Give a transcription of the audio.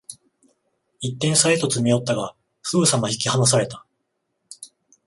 一点差へと詰め寄ったが、すぐさま引き離された